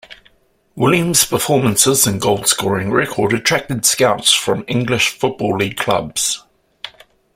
Williams' performances and goal scoring record attracted scouts from English football league clubs.